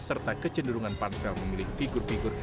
serta kecenderungan pansel memilih figur figur